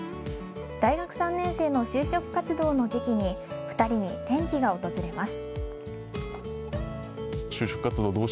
大学３年生の就職活動の時期に２人に転機が訪れます。